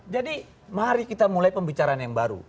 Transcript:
mari kita mulai pembicaraan yang baru